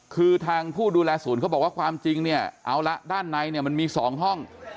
คือทางผู้ดูแลศูนย์เขาบอกว่าความจริงเนี่ยเอาละด้านในเนี่ยมันมี๒ห้อง